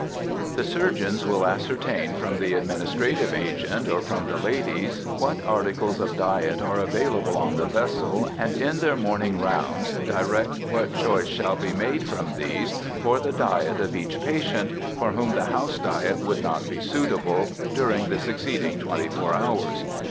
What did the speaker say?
The surgeons will ascertain from the administrative agent, or from the ladies, what articles of diet are available on the vessel, and in their morning rounds direct what choice shall be made from these for the diet of each patient, for whom the house diet would not be suitable, during the succeeding twenty four hours.